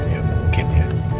ya mungkin ya